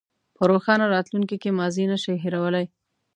په روښانه راتلونکي کې ماضي نه شئ هېرولی.